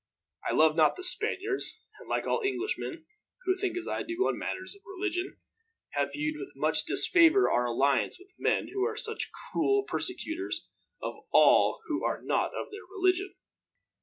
I love not the Spaniards and, like all Englishmen who think as I do on matters of religion, have viewed with much disfavor our alliance with men who are such cruel persecutors of all who are not of their religion."